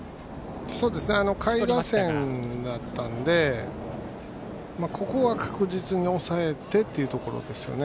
下位打線だったのでここは確実に抑えてというところですよね。